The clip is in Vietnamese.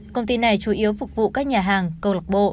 công ty này chủ yếu phục vụ các nhà hàng cầu lọc bộ